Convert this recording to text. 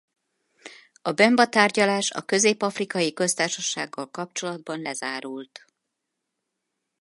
A Bemba-tárgyalás a Közép-afrikai Köztársasággal kapcsolatban lezárult.